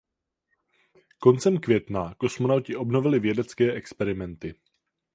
Koncem května kosmonauti obnovili vědecké experimenty.